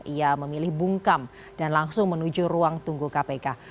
ia memilih bungkam dan langsung menuju ruang tunggu kpk